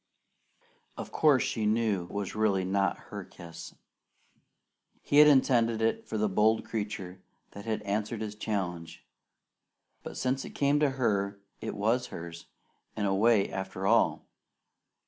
Of course, she knew it really was not her kiss. He had intended it for the bold creature that had answered his challenge, but since it came to her, it was hers, in a way, after all.